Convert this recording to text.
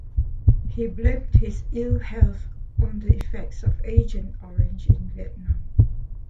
He blamed his ill-health on the effects of Agent Orange in Vietnam.